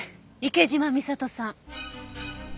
池島美里さん。